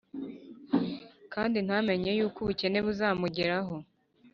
kandi ntamenye yuko ubukene buzamugeraho